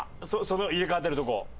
その入れ替わってるとこ。